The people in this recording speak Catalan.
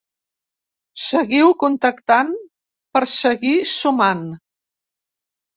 Seguiu contactant per seguir sumant.